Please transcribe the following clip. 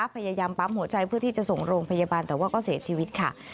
พยายามปั๊มหัวใจเพื่อที่จะส่งโรงพยาบาลแต่ว่าก็เสียชีวิตค่ะ